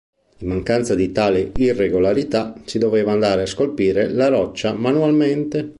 In mancanza di tali irregolarità si doveva andare a scolpire la roccia manualmente.